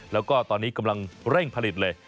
แล้วก็ตอนนี้กำลังเร่งผลิตเลย